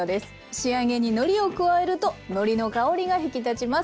仕上げにのりを加えるとのりの香りが引き立ちます。